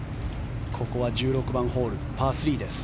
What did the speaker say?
ここは１６番ホールパー３です。